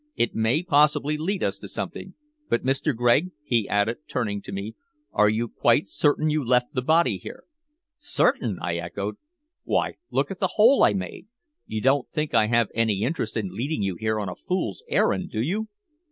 "It may possibly lead us to something. But, Mr. Gregg," he added, turning to me, "are you quite certain you left the body here?" "Certain?" I echoed. "Why, look at the hole I made. You don't think I have any interest in leading you here on a fool's errand, do you?"